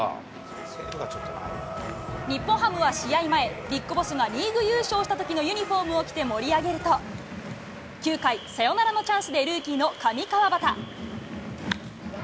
日本ハムは試合前、ＢＩＧＢＯＳＳがリーグ優勝したときのユニホームを着て盛り上げると、９回、サヨナラのチャンスでルーキーの上川畑。